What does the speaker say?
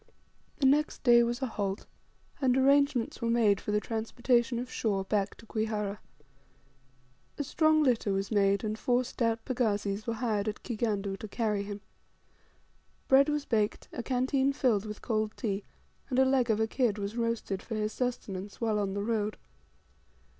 The next day was a halt, and arrangements were made for the transportation of Shaw back to Kwihara. A strong litter was made, and four stout pagazis were hired at Kigandu to carry him. Bread was baked, a canteen was filled with cold tea, and a leg of a kid was roasted for his sustenance while on the road.